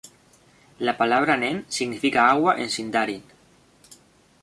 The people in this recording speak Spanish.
La palabra "nen" significa ‘agua’ en sindarin.